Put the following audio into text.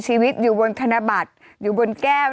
ชีวิตอยู่บนธนบัตรอยู่บนแก้ว